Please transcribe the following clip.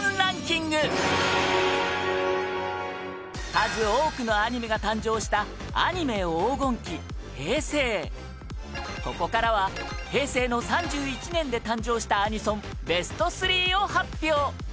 数多くのアニメが誕生したアニメ黄金期、平成ここからは平成の３１年で誕生したアニソンベスト３を発表